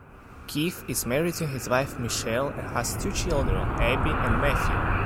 Keith is married to his wife Michelle and has two children Abby and Matthew.